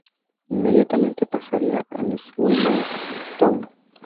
Inmediatamente pasaría al Swindon Town.